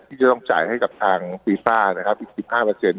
ที่จะต้องจ่ายให้กับทางปีฟาร์นะครับอีก๑๕เปอร์เซ็นต์